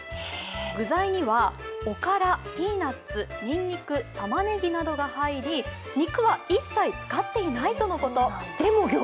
具材には、おから、ピーナツ、にんにく、たまねぎなどが入り肉は一切使っていないとのこと。